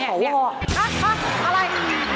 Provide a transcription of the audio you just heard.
ครับครับอะไร